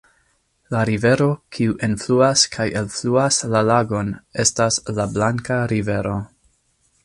La rivero, kiu enfluas kaj elfluas la lagon, estas la Blanka rivero.